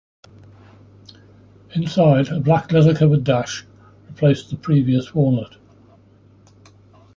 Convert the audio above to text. Inside, a black leather-covered dash replaced the previous walnut.